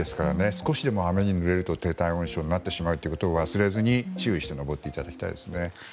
少しでも雨にぬれると低体温症になってしまうということを忘れずに注意して登っていただきたいですね。